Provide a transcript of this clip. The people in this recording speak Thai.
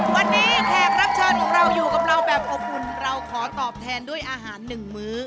วันนี้แขกรับเชิญของเราอยู่กับเราแบบอบอุ่นเราขอตอบแทนด้วยอาหารหนึ่งมื้อ